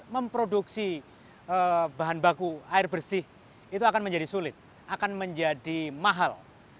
memproduksi bahan baku air bersih itu akan menjadi sulit akan menjadi mahal